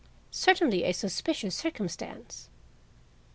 Certainly a suspicious circumstance.